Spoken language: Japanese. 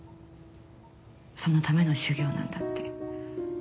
「そのための修行なんだ」って。